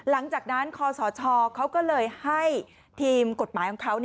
หลังจากนั้นคอสชเขาก็เลยให้ทีมกฎหมายของเขา